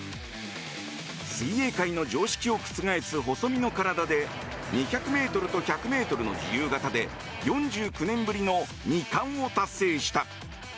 水泳界の常識を覆す細身の体で２００ｍと１００ｍの自由形で４９年ぶりの２冠を達成した。